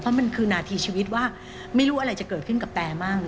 เพราะมันคือนาทีชีวิตว่าไม่รู้อะไรจะเกิดขึ้นกับแรมั่ง